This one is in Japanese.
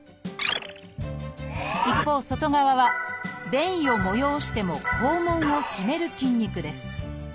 一方外側は便意を催しても肛門を締める筋肉です。